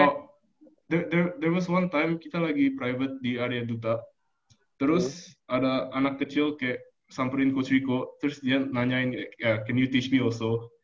oh there was one time kita lagi private di area duta terus ada anak kecil kayak samperin coach rico terus dia nanyain kayak can you teach me also